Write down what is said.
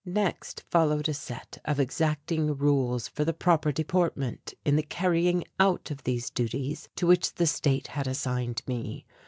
Next followed a set of exacting rules for the proper deportment, in the carrying out of these duties to which the State had assigned me.